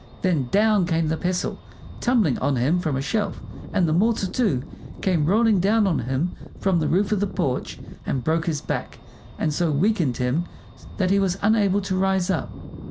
Then down came the pestle, tumbling on him from a shelf, and the mortar, too, came rolling down on him from the roof of the porch and broke his back, and so weakened him that he was unable to rise up.